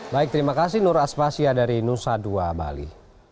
baik terima kasih nur aspasya dari nusa dua bali